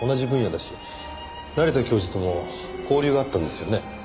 成田教授とも交流があったんですよね？